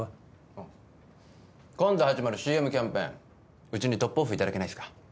あっ今度始まるＣＭキャンペーンうちにトップオフいただけないっすか？